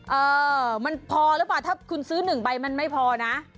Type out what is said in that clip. เออมันพอหรือเปล่าถ้าคุณซื้อ๑ใบมันไม่พอนะ